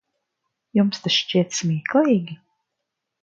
Jums tas šķiet smieklīgi?